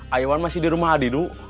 ayoan masih di rumah adi du